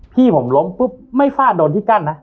พี่ผมล้มปุ๊บไม่ฟาดโดนที่กั้นนะ